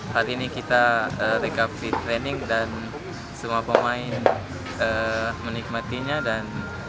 hari ini kita recovery training dan semua pemain menikmatinya dan